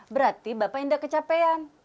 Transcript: berarti bapak nggak kecapean